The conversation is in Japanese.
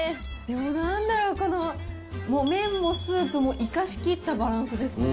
なんだろう、この、もう麺もスープも生かしきったバランスですね。